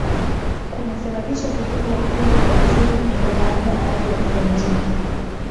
Kumesababisha kuzuka kwa kundi la uchumi wa baada ya hali ya usonji